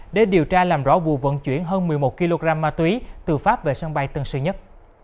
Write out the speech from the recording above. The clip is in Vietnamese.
để điều tra làm rõ vụ vận chuyển hơn một mươi một kg ma túy từ pháp về sân bay tân sơn nhất